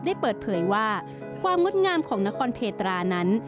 ได้เปิดเผยว่าความงดงามของนครเพตรานั้น